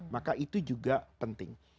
maka itu juga penting